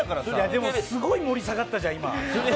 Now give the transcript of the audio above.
でも、すごい盛り下がったじゃん今。